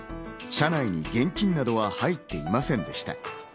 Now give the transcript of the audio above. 車内に現金などは入っていませんでした。